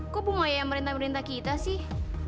kok ibu maya yang merintah merintah kita sih